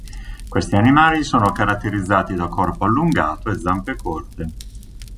Questi animali sono caratterizzati da corpo allungato e zampe corte.